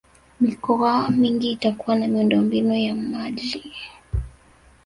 mikoa mingi itakuwa na miundombinu ya maji